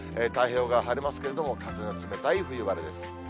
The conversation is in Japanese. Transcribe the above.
太平洋側晴れますけれども、風の冷たい冬晴れです。